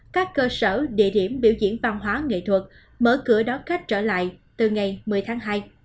các cơ sở địa điểm biểu diễn văn hóa nghệ thuật mở cửa đón khách trở lại từ ngày một mươi tháng hai